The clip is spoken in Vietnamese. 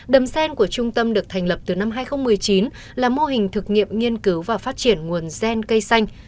đầm sen của trung tâm được thành lập từ năm hai nghìn một mươi chín là mô hình thực nghiệm nghiên cứu và phát triển nguồn gen cây xanh